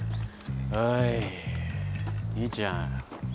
おい兄ちゃん